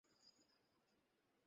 এটা সইরকম মজার হতে যাচ্ছে!